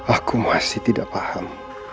aku masih tidak paham